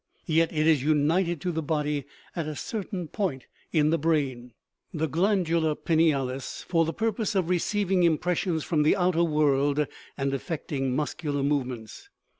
Yet it is united to the body at a certain point in the brain (the glandula pinealis) for the purpose of receiving impressions from the outer world and effecting muscular movements.